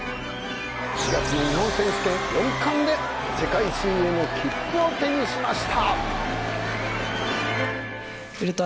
４月の日本選手権４冠で世界水泳の切符を手にしました